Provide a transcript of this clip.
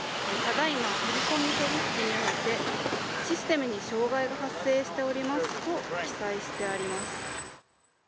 ただ今、振り込み取引においてシステムに障害が発生しておりますと記載してあります。